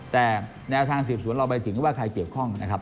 แต่ในเนื้อทางสีบศูนย์เราไปถึงว่าใครเกี่ยวข้อง